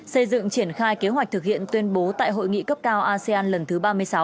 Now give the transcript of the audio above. xây dựng triển khai kế hoạch thực hiện tuyên bố tại hội nghị cấp cao asean lần thứ ba mươi sáu